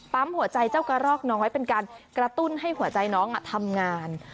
หัวใจเจ้ากระรอกน้อยเป็นการกระตุ้นให้หัวใจน้องทำงาน